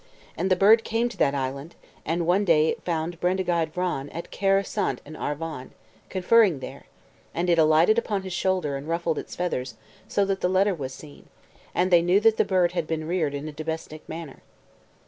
And the bird came to that island; and one day it found Bendigeid Vran at Caer Seiont in Arvon, conferring there, and it alighted upon his shoulder, and ruffled its feathers, so that the letter was seen, and they knew that the bird had been reared in a domestic manner.